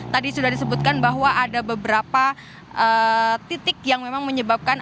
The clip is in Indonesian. tadi sudah disebutkan bahwa ada beberapa titik yang memang menyebabkan